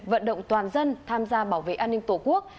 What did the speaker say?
vận động toàn dân tham gia bảo vệ an ninh tổ quốc